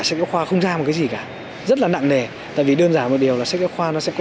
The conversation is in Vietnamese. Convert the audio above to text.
sách giáo khoa không ra một cái gì cả rất là nặng nề tại vì đơn giản một điều là sách giáo khoa nó sẽ có